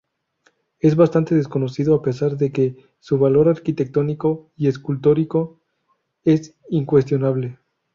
Es bastante desconocido a pesar de que su valor arquitectónico y escultórico es incuestionable.